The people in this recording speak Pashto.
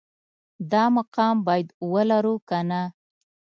دا مقام باید ولرو که نه